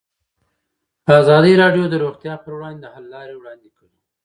ازادي راډیو د روغتیا پر وړاندې د حل لارې وړاندې کړي.